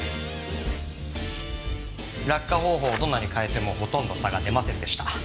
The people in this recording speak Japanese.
落下方法をどんなに変えてもほとんど差が出ませんでした。